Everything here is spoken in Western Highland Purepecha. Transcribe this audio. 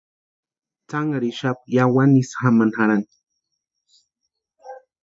Tsanharhixapka yáwani ísï jámani jarhani.